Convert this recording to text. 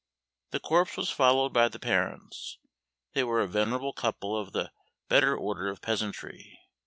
The corpse was followed by the parents. They were a venerable couple of the better order of peasantry.